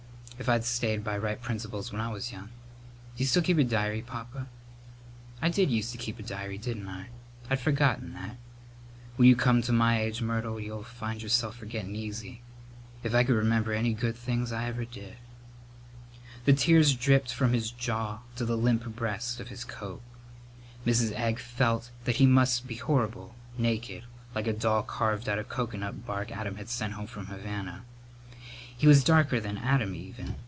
"If I'd stayed by right principles when I was young " "D'you still keep a diary, Papa?" "I did used to keep a diary, didn't I? I'd forgotten that. When you come to my age, Myrtle, you'll find yourself forgettin' easy. If I could remember any good things I ever did " The tears dripped from his jaw to the limp breast of his coat. Mrs. Egg felt that he must be horrible, naked, like a doll carved of coconut bark Adam had sent home from Havana. He was darker than Adam even.